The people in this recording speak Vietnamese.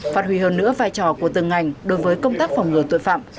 phát huy hơn nữa vai trò của từng ngành đối với công tác phòng ngừa tội phạm